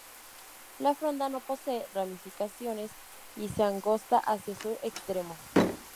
La fronda no posee ramificaciones y se angosta hacia su extremo.